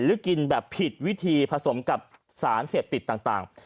หรือกินแบบผิดวิธีผสมกับสารเสพติดต่าง